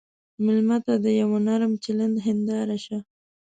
مېلمه ته د یوه نرم چلند هنداره شه.